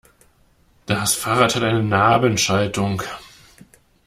Das Fahrrad hat eine Nabenschaltung.